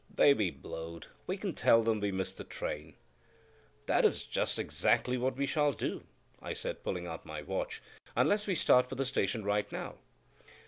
"They be blowed, we can tell them we missed the train." "That is just exactly what we shall do," I said, pulling out my watch, "unless we start for the station right now."